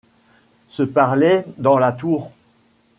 Se parlaient dans la tour.